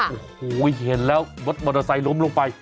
โอ้โหเห็นแล้วรถมอเตอร์ไซค์ล้มลงไป